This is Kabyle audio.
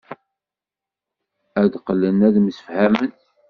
Ad qqlen ad msefhamen.